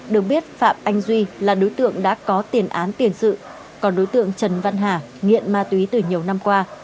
được biết phạm anh duy là đối tượng đã có tiền án tiền sự còn đối tượng trần văn hà nghiện ma túy từ nhiều năm qua